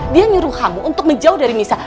dia nyuruh kamu untuk menjauh dari misah